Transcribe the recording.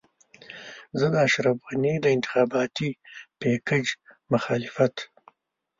زه د اشرف غني د انتخاباتي پېکج مخالفت.